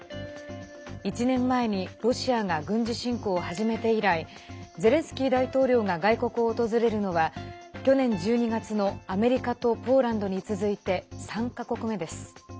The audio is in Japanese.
１年前にロシアが軍事侵攻を始めて以来ゼレンスキー大統領が外国を訪れるのは去年１２月のアメリカとポーランドに続いて３か国目です。